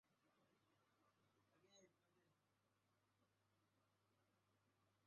এই গ্রন্থির মূল কাজ হচ্ছে বীর্যের জন্য কিছুটা তরল পদার্থ তৈরি করা।